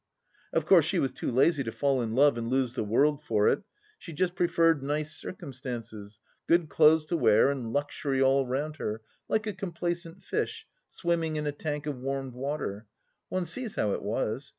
Of course she was too lazy to fall in love and lose the world for it ; she just preferred nice circumstances, good clothes to wear and luxury all round her, like a complacent fish swimming in a tank of warmed water. One sees how it was.